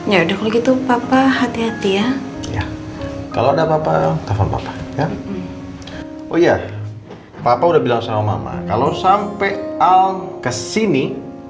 ya udah begitu papa hati hati ya kalau ada papa ya oh iya papa udah bilang sama kalau sampai kesini